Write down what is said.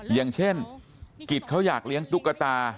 อย่างเช่นกิจเขาอยากเลี้ยงตุ๊กตา